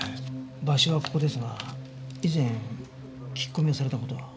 場所はここですが以前聞き込みをされた事は？